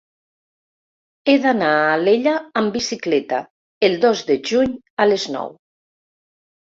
He d'anar a Alella amb bicicleta el dos de juny a les nou.